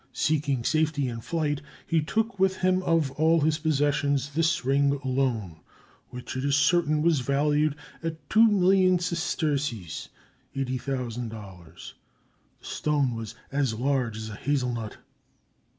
Seeking safety in flight, he took with him of all his possessions this ring alone, which it is certain, was valued at 2,000,000 sesterces ($80,000)." The stone was "as large as a hazel nut."